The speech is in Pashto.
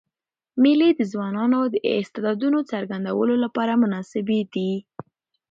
مېلې د ځوانانو د استعدادونو څرګندولو له پاره مناسبي دي.